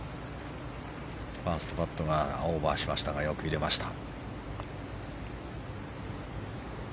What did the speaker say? ファーストパットがオーバーしましたがよく入れました。